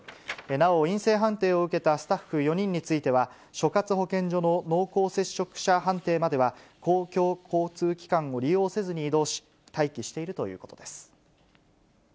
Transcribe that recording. なお、陰性判定を受けたスタッフ４人については、所轄保健所の濃厚接触者判定までは、公共交通機関を利用せずに移動し、待機しているということです。